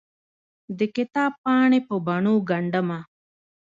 دکتاب پاڼې په بڼو ګنډ مه